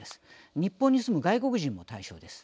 日本に住む外国人も対象です。